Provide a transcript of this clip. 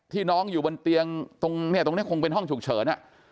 ที่น้องอยู่บนเตียงตรงนี้คงเป็นห้องฉุกเฉิน